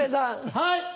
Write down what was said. はい。